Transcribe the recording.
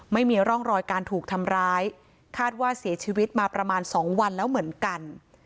ไม่มีร่องรอยการถูกทำร้ายคาดว่าเสียชีวิตมาประมาณ๒วันแล้วเหมือนกัน